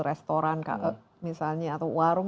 restoran misalnya atau warung